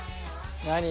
何？